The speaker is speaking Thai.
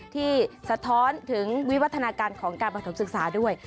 สะท้อนถึงวิวัฒนาการของการประถมศึกษาด้วย